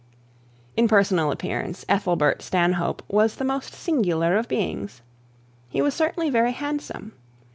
In personal appearance Ethelbert Stanhope was the most singular of beings. He was certainly very handsome.